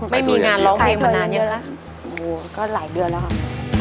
ไม่มีงานร้องเพลงมานานอย่างไรครับขายถั่วยังเดียวโอ้โหก็หลายเดือนแล้วครับ